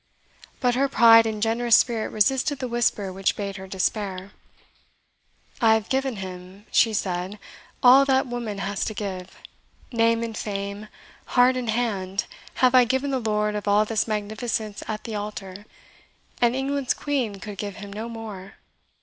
But her pride and generous spirit resisted the whisper which bade her despair. "I have given him," she said, "all that woman has to give. Name and fame, heart and hand, have I given the lord of all this magnificence at the altar, and England's Queen could give him no more.